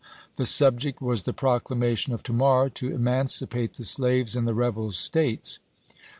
The subject was the procla mation of to morrow to emancipate the slaves in the rebel States.